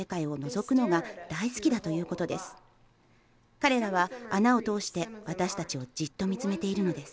彼らは穴を通して私たちをじっと見つめているのです。